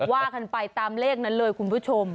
ว่ากันไปตามเลขนั้นเลยคุณผู้ชม